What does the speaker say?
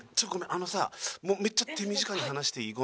あのさもうめっちゃ手短に話していい？